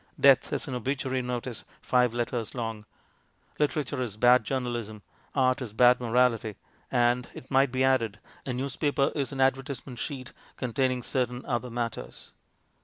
195 death is an obituary notice five letters long, literature is bad journalism, art is bad morality, and, it might be added, a newspaper is an advertisement sheet containing certain other matters.